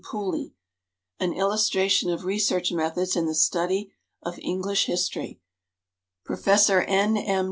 Pooley; "An Illustration of Research Methods in the Study of English History," Prof. N. M.